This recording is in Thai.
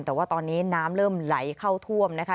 แต่ว่าตอนนี้น้ำเริ่มไหลเข้าท่วมนะคะ